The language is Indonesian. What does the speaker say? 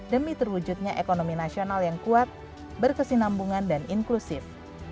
demi terwujudnya ekonomi nasional yang kuat berkesinambungan dan inklusif